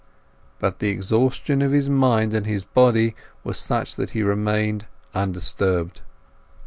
But the exhaustion of his mind and body was such that he remained undisturbed.